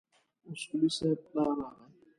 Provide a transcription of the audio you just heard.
اصولي صیب پلار راغی.